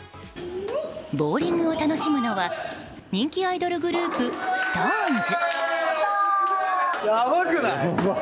ボウリングを楽しむのは人気アイドルグループＳｉｘＴＯＮＥＳ。